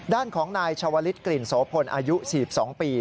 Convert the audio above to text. ด้านของนายชาวลิศกลิ่นโสพลอายุ๔๒ปี